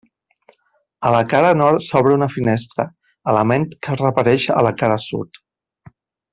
A la cara nord s'obre una finestra, element que es repeteix a la cara sud.